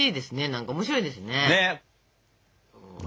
何か面白いですね。